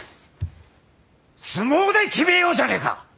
相撲で決めようじゃねえか！